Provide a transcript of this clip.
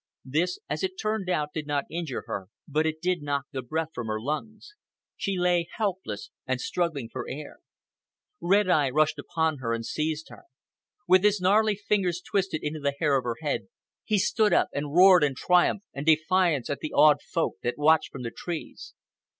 This, as it turned out, did not injure her, but it did knock the breath from her lungs. She lay helpless and struggling for air. Red Eye rushed upon her and seized her. With his gnarly fingers twisted into the hair of her head, he stood up and roared in triumph and defiance at the awed Folk that watched from the trees.